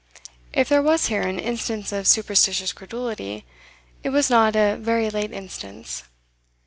If there was here an "instance of superstitious credulity," it was not "a very late instance."